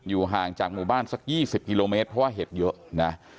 ห่างจากหมู่บ้านสัก๒๐กิโลเมตรเพราะว่าเห็ดเยอะนะ